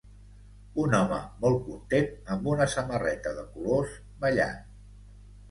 Un home molt content amb una samarreta de colors ballant.